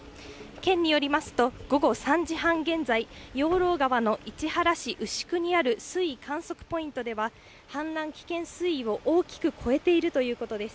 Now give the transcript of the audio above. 県によりますと、午後３時半現在、養老川の市原市牛久にある水位観測ポイントでは、氾濫危険水位を大きく超えているということです。